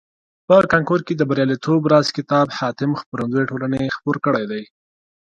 په کانکور کې د بریالیتوب راز کتاب حاتم خپرندویه ټولني خپور کړیده.